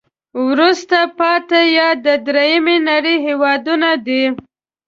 وروسته پاتې یا د دریمې نړی هېوادونه دي.